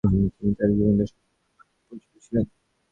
তিনি তার জীবদ্দশায় সুপরিচিত ছিলেন।